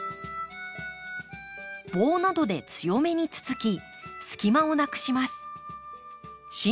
棒などで強めにつつき隙間をなくします。